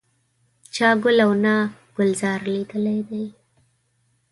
چا ګل او نه ګلزار لیدلی دی.